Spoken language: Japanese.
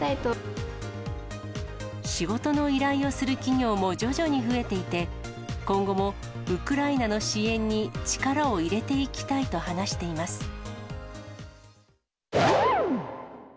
仕事の依頼をする企業も徐々に増えていて、今後もウクライナの支援に力を入れていきたいと話しています。